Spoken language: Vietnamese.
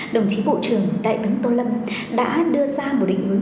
đồng chí bộ trưởng đại tướng tô lâm đã đưa ra một định hướng